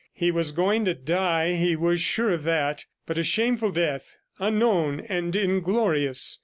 He was going to die he was sure of that but a shameful death, unknown and inglorious.